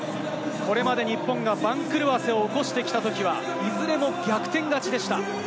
これまで日本が番狂わせを起こしてきたときはいずれも逆転勝ちでした。